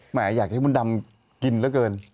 อยากให้มดดำกินเหลือเกิน